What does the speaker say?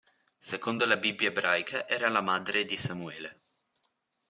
Secondo la Bibbia ebraica era la madre di Samuele.